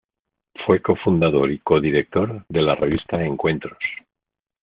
Fue cofundador y codirector de la revista "Encuentros".